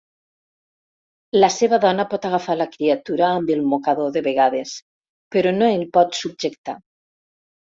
La seva dona pot agafar la criatura amb el mocador de vegades, però no el pot subjectar.